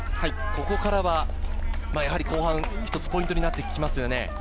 ここからは後半、一つポイントになってきますね。